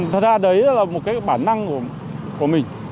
thật ra đấy là một cái bản năng của mình